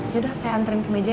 yaudah saya antren ke meja